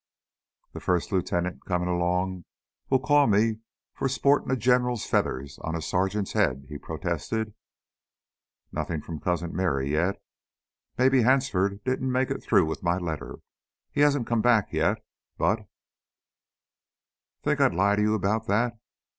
"The first lieutenant comin' along will call me for sportin' a general's feathers on a sergeant's head," he protested. "Nothin' from Cousin Merry yet? Maybe Hansford didn't make it through with my letter. He hasn't come back yet.... But " "Think I'd lie to you about that?"